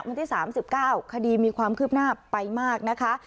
วันที่๓๙คดีมีความคืบหน้าไปมากนะคะ